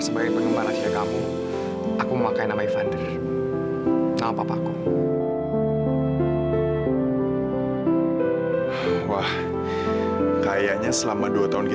sampai jumpa di video selanjutnya